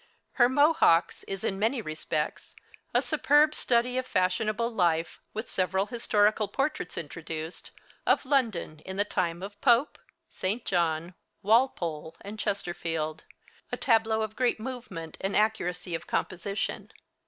Her 'Mohawks' is in many respects a superb study of fashionable life, with several historical portraits introduced, of London in the time of Pope, St. John, Walpole, and Chesterfield a tableau of great movement and accuracy of composition.